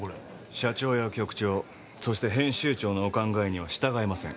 社長や局長そして編集長のお考えには従えません。